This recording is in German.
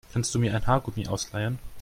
Kannst du mir ein Haargummi ausleihen?